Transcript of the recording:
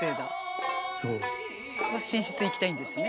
寝室行きたいんですね。